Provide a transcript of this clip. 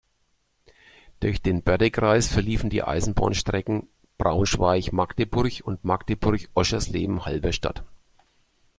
Durch den Bördekreis verliefen die Eisenbahnstrecken Braunschweig–Magdeburg und Magdeburg–Oschersleben–Halberstadt.